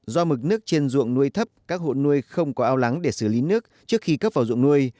do mực nước trên ruộng nuôi thấp các hộ nuôi không có ao lắng để xử lý nước trước khi cấp vào dụng nuôi